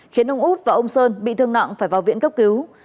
khiến ông út và ông sơn bị thương nặng phải vào viện cấp cứu